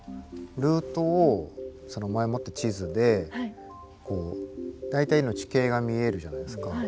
ルートを前もって地図で大体の地形が見えるじゃないですか。